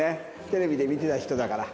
テレビで見てた人だから。